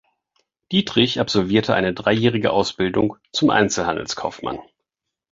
Dietrich absolvierte eine dreijährige Ausbildung zum Einzelhandelskaufmann.